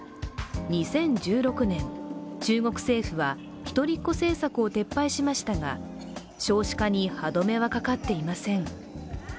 ２０１６年、中国政府は一人っ子政策を撤廃しましたが、少子化に歯止めはかかっていません。